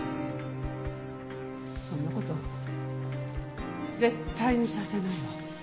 そんな事絶対にさせないわ。